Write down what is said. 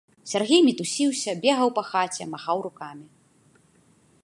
Сяргей мітусіўся, бегаў па хаце, махаў рукамі.